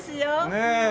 ねえ。